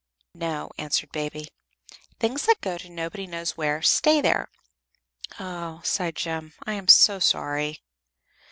"No," answered Baby. "Things that go to Nobody knows where stay there." "Oh!" sighed Jem, "I am so sorry."